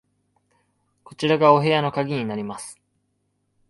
こちらがお部屋の鍵になります。